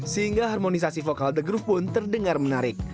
sehingga harmonisasi vokal the groove pun terdengar menarik